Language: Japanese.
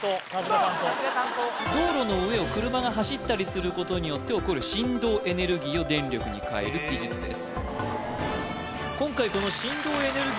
道路の上を車が走ったりすることによって起こる振動エネルギーを電力に変える技術です